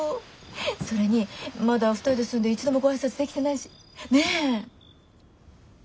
それにまだ２人で住んで一度もご挨拶できてないしねぇ？